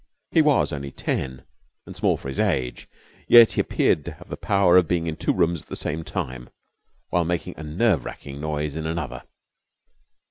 He was only ten, and small for his age, yet he appeared to have the power of being in two rooms at the same time while making a nerve racking noise in another.